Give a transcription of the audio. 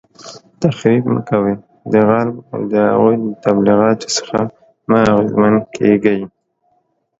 تخریب مه کوئ، د غرب او د هغوی د تبلیغاتو څخه مه اغیزمن کیږئ